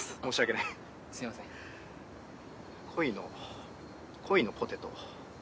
恋の恋のポテト。